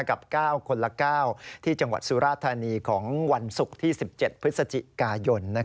กับ๙คนละ๙ที่จังหวัดสุราธานีของวันศุกร์ที่๑๗พฤศจิกายน